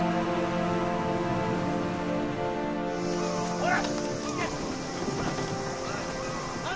・ほら！